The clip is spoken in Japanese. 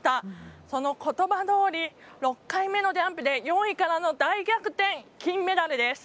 そのことばどおり６回目のジャンプで４位からの大逆転、金メダルです。